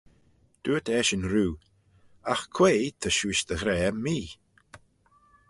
Dooyrt eshyn roo, Agh quoi ta shiuish dy ghra mee?